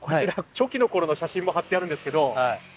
初期の頃の写真もはってあるんですけど。